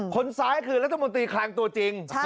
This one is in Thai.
คนซ้ายคือรัฐมนตรีคลังตัวจริง